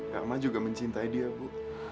rama juga mencintai dia bu